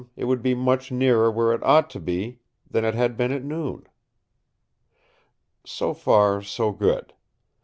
it would be much nearer where it ought to be than it had been at noon. So far, so good.